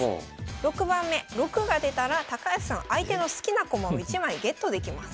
６番目６が出たら高橋さん相手の好きな駒を１枚ゲットできます。